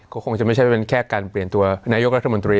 ก็คงจะไม่ใช่เป็นแค่การเปลี่ยนตัวนายกรัฐมนตรี